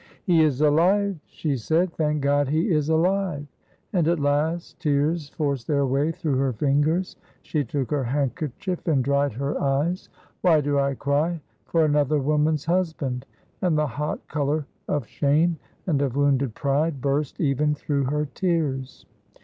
"He is alive," she said, "thank God, he is alive." And at last tears forced their way through her fingers. She took her handkerchief and dried her eyes. "Why do I cry for another woman's husband?" and the hot color of shame and of wounded pride burst even through her tears.